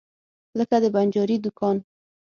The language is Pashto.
لکه د بنجاري دکان.